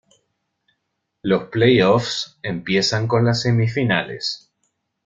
Los play-offs empiezan con las semifinales.